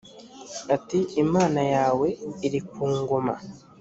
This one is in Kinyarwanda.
ati imana yawe iri ku ngoma